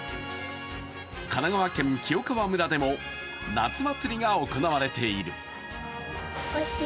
神奈川県清川村でも夏祭りが行われている。